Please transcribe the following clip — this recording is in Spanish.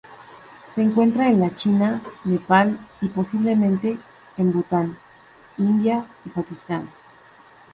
Se encuentra en la China, Nepal y, posiblemente en Bután, India y Pakistán.